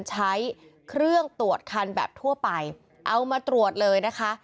ใช้เครื่องตรวจคันแบบทั่วไปเอามาตรวจเลยนะคะ